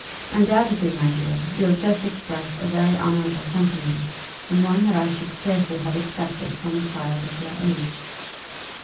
Undoubtedly, my dear, you have just expressed a very honourable sentiment, and one that I should scarcely have expected from a child of your age.